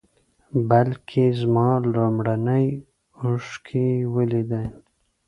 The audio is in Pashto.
بلکې زما لومړنۍ اوښکې یې ولیدې.